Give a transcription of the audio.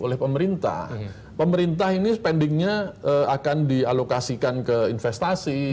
oleh pemerintah pemerintah ini spendingnya akan dialokasikan ke investasi